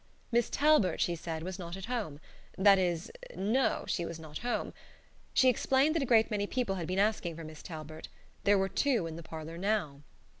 Miss Talbert, she said, was not at home; that is no, she was not home. She explained that a great many people had been asking for Miss Talbert; there were two in the parlor now.